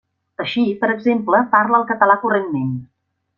Així, per exemple, parla el català correntment.